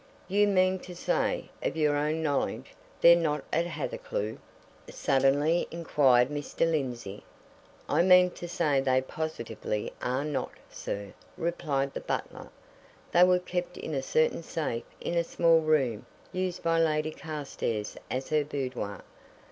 "You mean to say of your own knowledge they're not at Hathercleugh?" suddenly inquired Mr. Lindsey. "I mean to say they positively are not, sir," replied the butler. "They were kept in a certain safe in a small room used by Lady Carstairs as her boudoir.